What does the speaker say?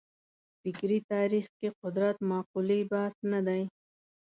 فکري تاریخ کې قدرت مقولې بحث نه دی.